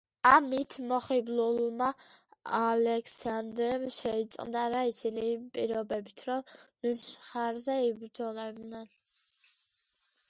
ამით მოხიბლულმა ალექსანდრემ შეიწყნარა ისინი, იმ პირობით, რომ მის მხარეზე იბრძოლებდნენ.